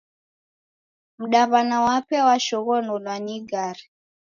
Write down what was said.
Mdaw'ana wape washoghonolwa ni igare.